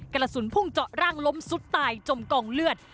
กระสุนพุ่งเจาะร่างล้มสุดตายจมกองเลือด